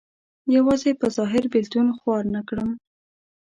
یوازې په ظاهر بېلتون خوار نه کړم.